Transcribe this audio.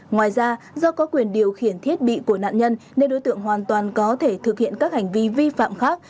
ngoài ra do có quyền điều khiển thiết bị của nạn nhân nên đối tượng hoàn toàn có thể thực hiện các hành vi vi phạm khác